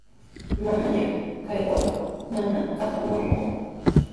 Mamallaa kawarqa manami katramaqku.